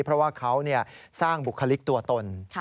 เพราะว่าเขาสร้างบุคลิกตัวตน